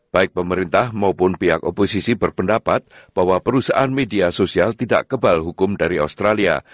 baik pemerintah maupun pihak oposisi berpendapat bahwa perusahaan media sosial tidak kebal hukum dari australia